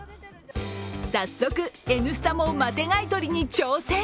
早速、「Ｎスタ」もマテガイ取りに挑戦。